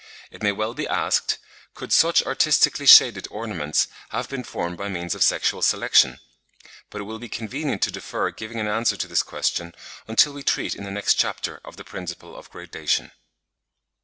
It may well be asked, could such artistically shaded ornaments have been formed by means of sexual selection? But it will be convenient to defer giving an answer to this question until we treat in the next chapter of the principle of gradation.